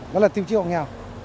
đó là tiêu chiêu hộ nghèo